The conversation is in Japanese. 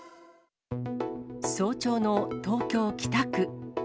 早朝の東京・北区。